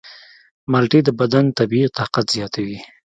مالټې د بدن طبیعي طاقت زیاتوي.